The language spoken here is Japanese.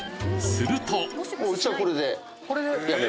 するとえ？